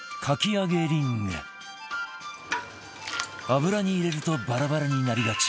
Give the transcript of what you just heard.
油に入れるとバラバラになりがち